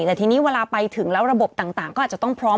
แต่ทีนี้เวลาไปถึงแล้วระบบต่างก็อาจจะต้องพร้อม